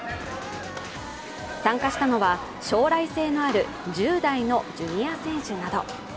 参加したのは、将来性のある１０代のジュニア選手など。